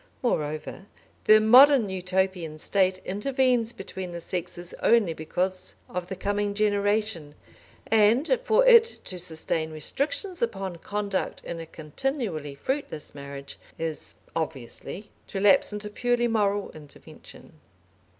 Moreover, the modern Utopian State intervenes between the sexes only because of the coming generation, and for it to sustain restrictions upon conduct in a continually fruitless marriage is obviously to lapse into purely moral intervention.